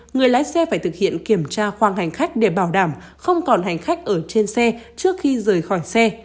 người lái xe phải thực hiện kiểm tra khoang hành khách để bảo đảm không còn hành khách ở trên xe trước khi rời khỏi xe